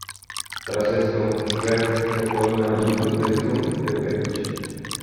Tras esto, Reed tocó la intro de "Turn the Page".